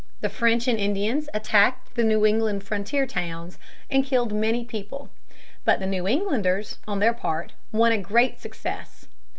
The French and Indians attacked the New England frontier towns and killed many people. But the New Englanders, on their part, won a great success.